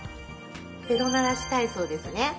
ベロ鳴らし体操ですね！